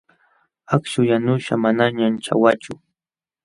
Akśhu yanuśhqa manañan ćhawachu.